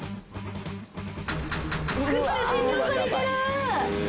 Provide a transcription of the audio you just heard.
靴で占領されてる！